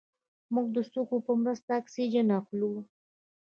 موږ د سږو په مرسته اکسیجن اخلو